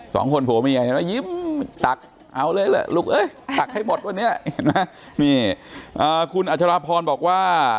สองคนผัวเมียยิ้มตักเอาเลยลูกตักให้หมดวันนี้คุณอัชราพรบอกว่า